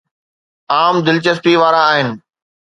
عام دلچسپي وارا آهن